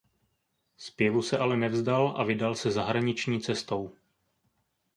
Zpěvu se ale nevzdal a vydal se zahraniční cestou.